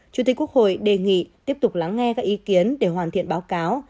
chủ tịch quốc hội đề nghị tiếp tục lắng nghe các ý kiến để hoàn thiện báo cáo